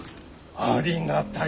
ありがたい。